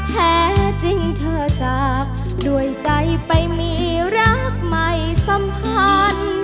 แท้จริงเธอจากด้วยใจไปมีรักใหม่สัมพันธ์